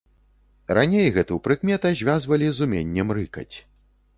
Раней гэту прыкмета звязвалі з уменнем рыкаць.